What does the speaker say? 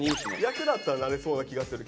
役だったらなれそうな気がする。